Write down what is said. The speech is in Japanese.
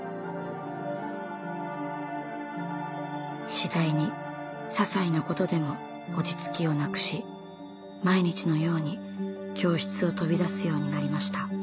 次第にささいなことでも落ち着きをなくし毎日のように教室を飛び出すようになりました。